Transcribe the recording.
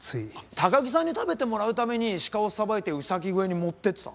高木さんに食べてもらうために鹿をさばいてうさぎ小屋に持っていってたの？